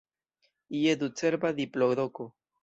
Je ducerba diplodoko!